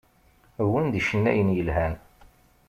Wwin-d icennayen yelhan.